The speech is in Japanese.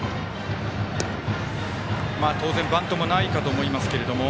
当然バントもないかと思いますが。